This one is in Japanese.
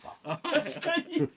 確かに。